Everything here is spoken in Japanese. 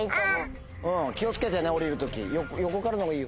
気を付けてね降りる時横からの方がいいよ。